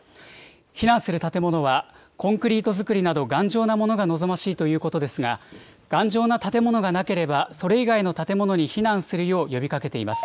避難する建物は、コンクリート造りなど、頑丈なものが望ましいということですが、頑丈な建物がなければ、それ以外の建物に避難するよう、呼びかけています。